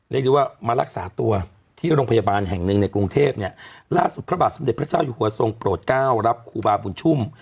เรียกได้ว่ามารักษาตัวที่โรงพยาบาลแห่งหนึ่งในกรุงเทพเนี่ยล่าสุดพระบาทสมเด็จพระเจ้าอยู่หัวทรงโปรดเก้ารับครูบาบุญชุ่ม